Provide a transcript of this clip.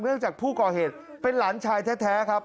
จากผู้ก่อเหตุเป็นหลานชายแท้ครับ